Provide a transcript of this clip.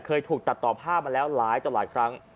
เคยถูกตัดต่อผ้ามาแล้วหลายต่อหลายครั้ง